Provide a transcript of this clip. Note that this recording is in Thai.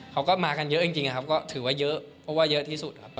เขาก็มากันเยอะจริงครับก็ถือว่าเยอะเพราะว่าเยอะที่สุดครับ